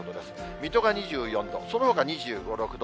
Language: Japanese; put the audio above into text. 水戸が２４度、そのほか２５、６度。